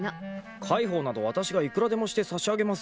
介抱などわたしがいくらでもして差し上げますよ。